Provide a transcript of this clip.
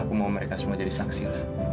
aku mau mereka semua jadi saksi lah